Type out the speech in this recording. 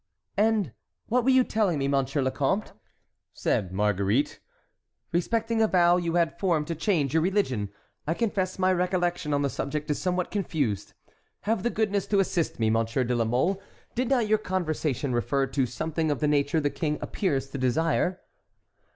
"And what were you telling me, Monsieur le Comte," said Marguerite, "respecting a vow you had formed to change your religion? I confess my recollection on the subject is somewhat confused. Have the goodness to assist me, M. de la Mole. Did not your conversation refer to something of the nature the king appears to desire?"